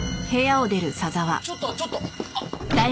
ちょっとちょっとあっ！